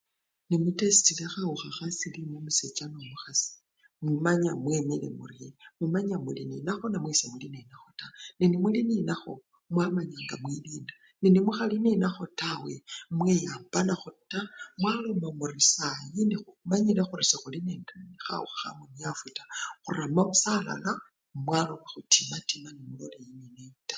Nemutestile khawukha khasilimu nga omusecha nomukhasi mumanya mwemile murrie, mumanya muli nenakho namwe semuli nenakho taa, nenga muli nenakho mwamanya nga mwilinda, nende mukhali ninakho tawe, mweyambanakho taaa mwaloma muri sayi nekhumanyile khuri sekhuli nende khawukha khamunyafu taa, khurama busa alala mwaloba khutimatima nemulola eyineneyi taa.